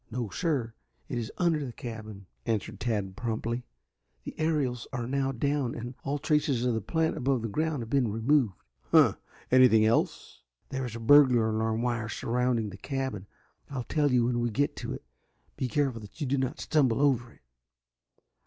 "No, sir, it is under the cabin," answered Tad promptly. "The aerials are now down and all traces of the plant above ground have been removed." "Huh! Anything else?" "There is a burglar alarm wire surrounding the cabin. I'll tell you when you get to it. Be careful that you do not stumble over it."